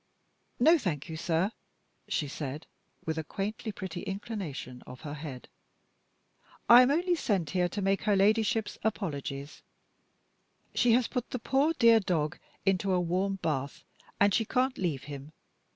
"No, thank you, sir," she said, with a quaintly pretty inclination of her head. "I am only sent here to make her Ladyship's apologies. She has put the poor dear dog into a warm bath, and she can't leave him.